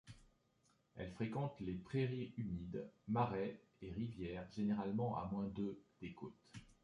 Elle fréquente les prairies humides, marais et rivières généralement à moins de des côtes.